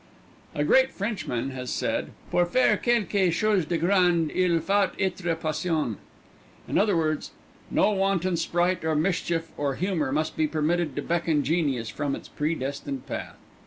A great Frenchman has said, "Pour faire quelque chose de grande, il faut être passioné." In other words, no wanton sprite of mischief or humour must be permitted to beckon genius from its predestined path.